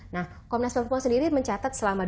nah komnas perempuan sendiri mencatat selama